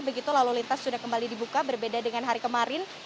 begitu lalu lintas sudah kembali dibuka berbeda dengan hari kemarin